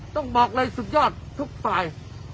ต้องบอกเลยสุดยอดทุกฝ่าย